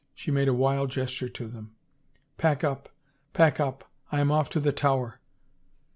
She made a wild gesture to them. " Pack up. Pack up. I am off to the Tower."